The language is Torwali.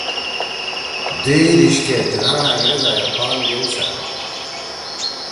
دِیئی دیِشکے جناح أنگریزا ئے پان دیؤسأد